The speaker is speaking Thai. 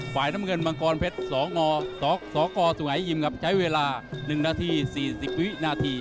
ฝ่ายน้ำเงินมังกรเพชรสกสุงหายิมครับใช้เวลา๑นาที๔๐วินาที